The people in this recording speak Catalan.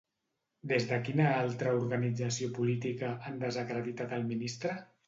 Des de quina altra organització política han desacreditat el ministre?